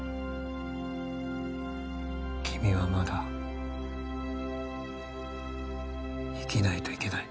君はまだ生きないといけない。